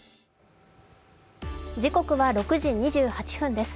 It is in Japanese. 時刻は６時２８分です。